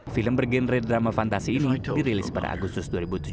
film bergenre drama fantasi ini dirilis pada agustus dua ribu tujuh belas